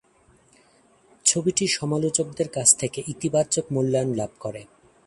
ছবিটি সমালোচকদের কাছ থেকে ইতিবাচক মূল্যায়ন লাভ করে।